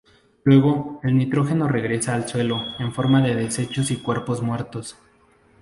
Luego, el nitrógeno regresa al suelo, en forma de desechos, y cuerpos muertos.